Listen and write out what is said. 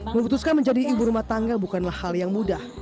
memutuskan menjadi ibu rumah tangga bukanlah hal yang mudah